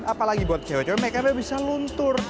apalagi buat cewek cewek anda bisa luntur